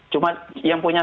cuma yang punya